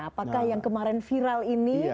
apakah yang kemarin viral ini